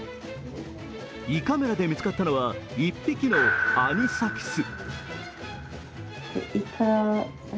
胃カメラで見つかったのは１匹のアニサキス。